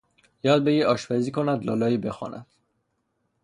یاد بگیرد آشپزی کند لالایی بخواند